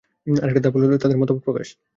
আরেকটা ধাপ হল তাদের মতামত প্রকাশ।